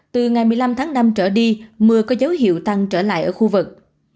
từ ngày một mươi năm tháng năm trở đi mưa có dấu hiệu tăng trở lại ở khu vực